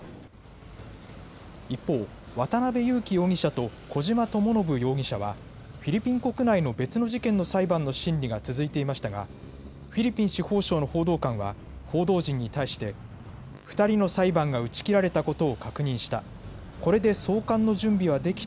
一方、渡邉優樹容疑者と小島智信容疑者はフィリピン国内の別の事件の裁判の審理が続いていましたがフィリピン司法省の報道官は報道陣に対して２人の裁判が打ち切られたことを確認した。